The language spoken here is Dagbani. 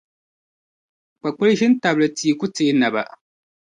Kpakpili ʒini n-tabili tia ku teei naba.